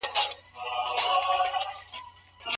چيري د کار او هڅي مادي او ماناوي پایلي ژر لاسته راځي؟